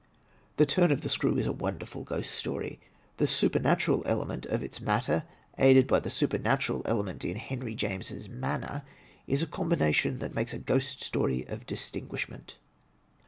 "The Turn of The Screw" is a wonderful Ghost Story. The supernatural element of its matter, aided by the super natural element in Henry James' manner is a combination that makes a Ghost Story of distinguishment.